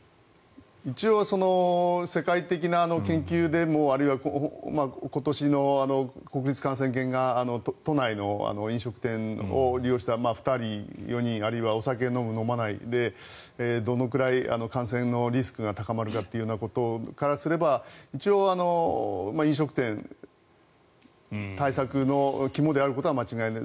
一応、世界的な研究でもあるいは今年の国立感染研が都内の飲食店を利用した２人、４人あるいはお酒を飲む、飲まないでどのくらい感染のリスクが高まるかというようなことからすれば一応、飲食店対策の肝であることは間違いない。